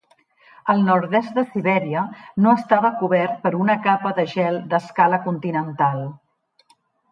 El nord-est de Sibèria no estava cobert per una capa de gel d'escala continental.